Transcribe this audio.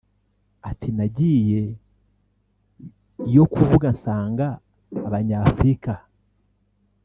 Ati nagiye yo kuvuga nsanga abanyafrika